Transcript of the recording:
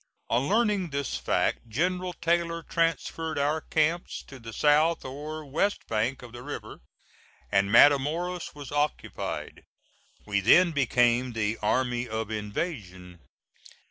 On learning this fact General Taylor transferred our camps to the south or west bank of the river, and Matamoras was occupied. We then became the "Army of Invasion."